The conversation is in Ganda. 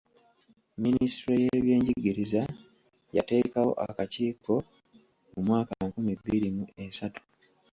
Minisitule y’ebyenjigiriza yateekawo akakiiko mu mwaka nkumi bbiri mu esatu.